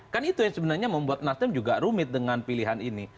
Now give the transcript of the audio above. kan itu yang sebenarnya membuat nasdem juga rumit dengan pilihan ini